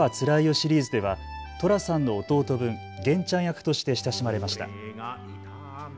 シリーズでは寅さんの弟分、源ちゃん役として親しまれました。